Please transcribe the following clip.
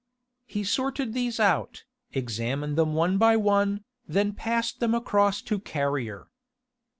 He sorted these out, examined them one by one, then passed them across to Carrier.